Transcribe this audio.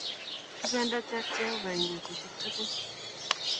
Kibendoti ak Jehova eng' petusyek tukul.